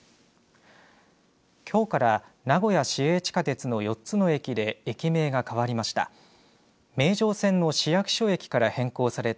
きょうから名古屋市営地下鉄の４つの駅で駅名が変わりました。